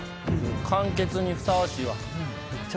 完結にふさわしいわ。